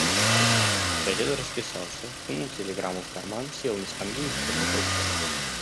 Сосед расписался, сунул телеграмму в карман, сел на скамью и закурил трубку.